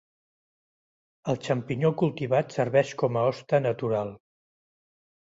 El xampinyó cultivat serveix com a hoste natural.